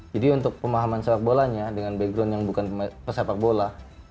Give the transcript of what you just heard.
jadi untuk pemahaman sepak bolanya dengan background yang bukan pesepak bola